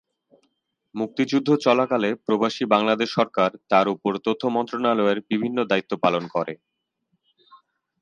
মুক্তিযুদ্ধ চলাকালে প্রবাসী বাংলাদেশ সরকার তার উপর তথ্য মন্ত্রণালয়ের বিভিন্ন দায়িত্ব প্রদান করে।